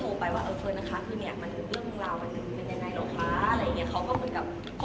ก็แบบว่าเฟิร์นนะคะท่านแบบเพื่อนอืมแล้วมันเป็นอย่างไรหรือเหรอคะ